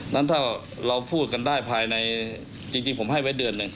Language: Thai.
นั้นถ้าเราพูดกันได้ภายในจริงผมให้ไว้เดือนหนึ่ง